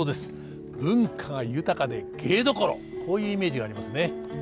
文化が豊かで芸どころこういうイメージがありますね。